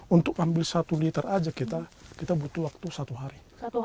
untuk ambil satu liter aja kita butuh waktu satu hari